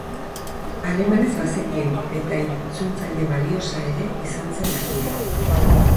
Alemanez bazekien, eta itzultzaile baliosa ere izan zen herrian.